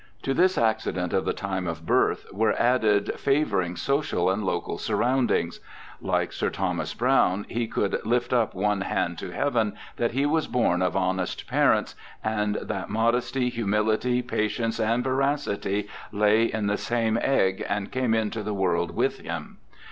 To this accident of the time of birth were added favouring social and local surroundings. Like Sir Thomas Browne, he could * lift up one hand to heaven that he was born of honest parents, and that modesty, humility, patience, and veracity lay in the same egg and came into the world with him'.